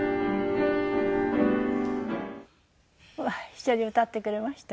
一緒に歌ってくれました。